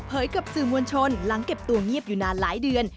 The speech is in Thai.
กับสื่อมวลชนหลังเก็บตัวเงียบอยู่นานหลายเดือน